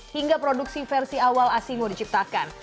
hingga produksi versi awal asimo diciptakan